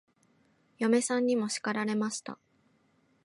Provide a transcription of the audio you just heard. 嫁さんにも叱られました。